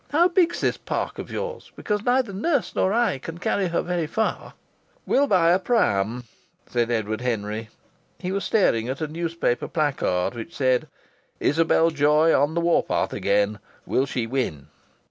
How big's this park of yours? Because neither nurse nor I can carry her very far." "We'll buy a pram," said Edward Henry. He was staring at a newspaper placard which said: "Isabel Joy on the war path again. Will she win?"